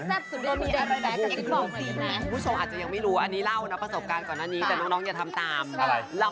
สุดทางมีอะไรแบบยังบอกเลยแหละ